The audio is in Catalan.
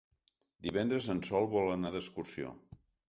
Divendres en Sol vol anar d'excursió.